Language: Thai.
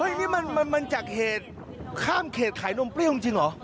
นี่มันจากเหตุข้ามเขตขายนมเปรี้ยวจริงเหรอ